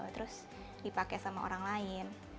terus dipakai sama orang lain